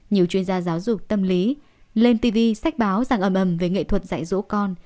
nhiều chuyên gia giáo dục tâm lý lên tv xách báo rằng ẩm ẩm về nghệ thuật dạy dỗ con